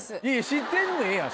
知ってんのええやん。